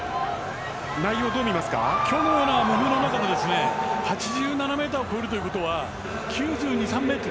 今日みたいな気温の中で８７ｍを超えるということは９２９３ｍ